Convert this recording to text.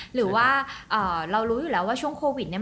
หรือว่าเรารู้อยู่แล้วว่าช่วงโควิดเนี่ย